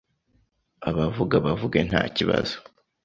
abavuga bavuge nta kibazo